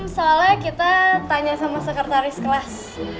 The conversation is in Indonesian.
soalnya kita tanya sama sekretaris kelas